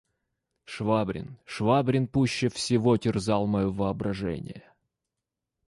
Швабрин, Швабрин пуще всего терзал мое воображение.